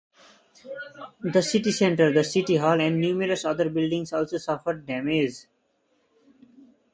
The city center, the city hall, and numerous other buildings also suffered damage.